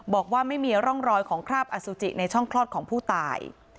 บอกว่าไม่มีร่องรอยของคราบอสุจิในช่องคลอดของผู้ตาย